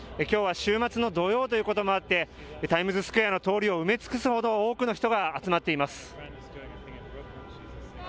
きょうは週末の土曜ということもあってタイムズスクエアの通りを埋め尽くすほど多くの人が集まっています。